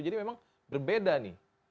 jadi memang berbeda nih